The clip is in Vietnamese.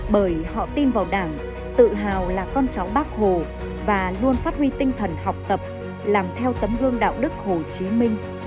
bởi họ tin vào đảng tự hào là con cháu bác hồ và luôn phát huy tinh thần học tập làm theo tấm gương đạo đức hồ chí minh